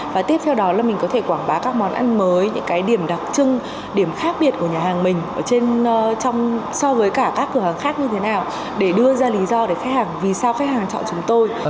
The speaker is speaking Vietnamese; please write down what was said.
và tiếp theo đó là mình có thể quảng bá các món ăn mới những cái điểm đặc trưng điểm khác biệt của nhà hàng mình so với cả các cửa hàng khác như thế nào để đưa ra lý do để khách hàng vì sao khách hàng chọn chúng tôi